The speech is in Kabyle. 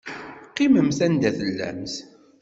Qqimemt anda tellamt.